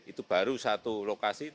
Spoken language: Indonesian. itu baru satu lokasi